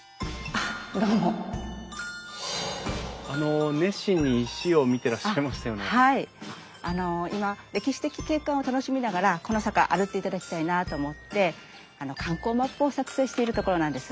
あの今歴史的景観を楽しみながらこの坂歩いていただきたいなあと思って観光マップを作成しているところなんです。